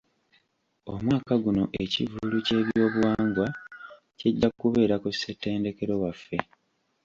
Omwaka guno ekivvulu ky'ebyobuwangwa kijja kubeera ku ssentendekero waffe.